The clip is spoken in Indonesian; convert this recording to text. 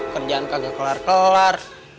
kerjaan kagak kelar kelar